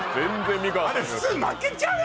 あれ普通負けちゃうよ